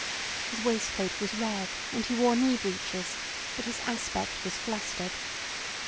His waistcoat was red, and he wore knee breeches, but his aspect was flustered.